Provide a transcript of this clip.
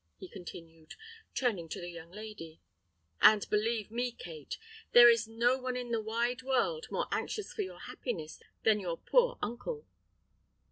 he continued, turning to the young lady; "and believe me, Kate, there is no one in the wide world more anxious for your happiness than your poor uncle."